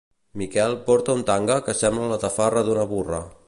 Miquel porta un tanga que sembla la tafarra d'una burra.